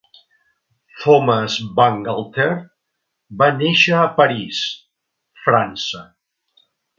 Thomas Bangalter va néixer a París, França.